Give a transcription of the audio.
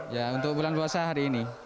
ya untuk bulan puasa hari ini